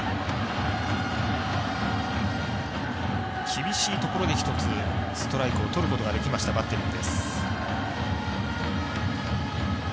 厳しいところで１つストライクをとることができましたバッテリー。